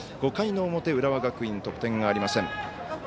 ５回の表、浦和学院得点がありません。